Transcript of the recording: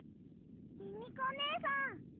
ミミコねえさん！